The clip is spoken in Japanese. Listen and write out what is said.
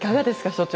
所長。